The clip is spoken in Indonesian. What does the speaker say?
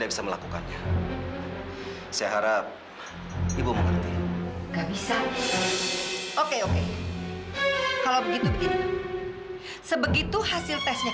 kamu sendiri ngapain di sini